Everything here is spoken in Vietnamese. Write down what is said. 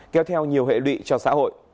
kéo theo nhiều hệ lụy cho xã hội